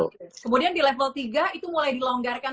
kemudian di level tiga itu mulai dilonggarkan